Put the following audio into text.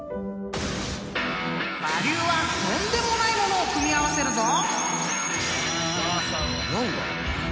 ［我流はとんでもない物を組み合わせるぞ！］